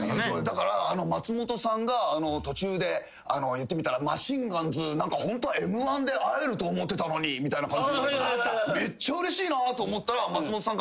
だから松本さんが途中でいってみたらマシンガンズホントはＭ−１で会えると思ってたのにみたいな感じのめっちゃうれしいなと思ったら松本さんが。